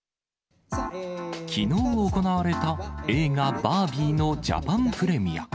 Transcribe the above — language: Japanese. きのう行われた映画、バービーのジャパンプレミア。